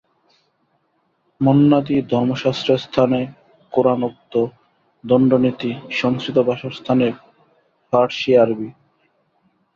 মন্বাদি ধর্মশাস্ত্রের স্থানে কোরানোক্ত দণ্ডনীতি, সংস্কৃত ভাষার স্থানে পারসী আরবী।